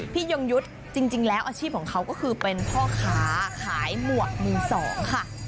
ยงยุทธ์จริงแล้วอาชีพของเขาก็คือเป็นพ่อค้าขายหมวกมือสองค่ะ